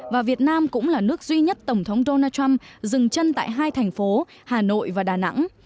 và việt nam cũng là nước duy nhất tổng thống donald trump dừng chân tại hai thành phố hà nội và đà nẵng